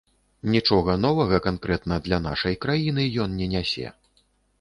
Нічога новага канкрэтна для нашай краіны ён не нясе.